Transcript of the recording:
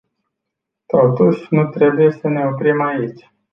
Totuși, nu trebuie să ne oprim aici.